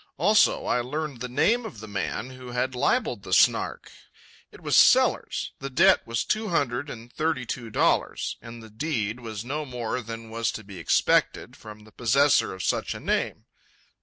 Also, I learned the name of the man who had libelled the Snark. It was Sellers; the debt was two hundred and thirty two dollars; and the deed was no more than was to be expected from the possessor of such a name.